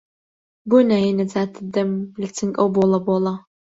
بۆ نایەی نەجاتت دەم لە چنگ ئەو بۆڵە بۆڵە